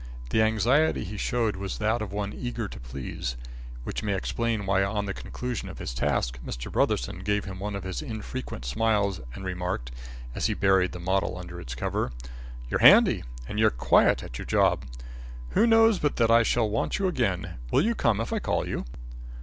The anxiety he showed was that of one eager to please, which may explain why on the conclusion of his task, Mr. Brotherson gave him one of his infrequent smiles and remarked, as he buried the model under its cover, "You're handy and you're quiet at your job. Who knows but that I shall want you again. Will you come if I call you?"